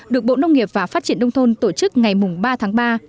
được bộ nông nghiệp và phát triển đông thôn tổ chức ngày ba tháng ba